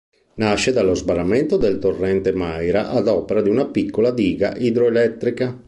Nasce dallo sbarramento del torrente Maira ad opera di una piccola diga idroelettrica.